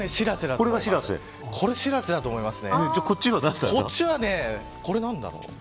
これがしらせだと思いますね。